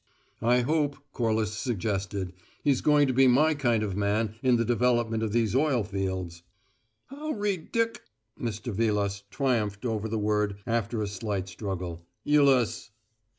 "I hope," Corliss suggested, "he's going to be my kind of man in the development of these oil fields." "How ridic" Mr. Vilas triumphed over the word after a slight struggle "ulous!